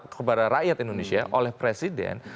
kepada rakyat indonesia oleh presiden